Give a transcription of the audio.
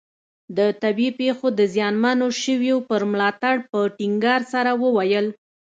د طبیعي پېښو د زیانمنو شویو پر ملاتړ په ټینګار سره وویل.